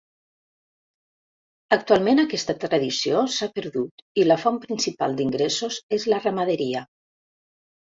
Actualment aquesta tradició s'ha perdut i la font principal d'ingressos és la ramaderia.